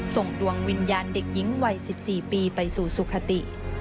ส่งดวงวิญญาณเด็กหญิงวัย๑๔ปีไปสู่สุขติ